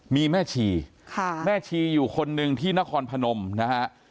มีแม่ชีแม่ชีอยู่คนหนึ่งที่นครพนมนะฮะ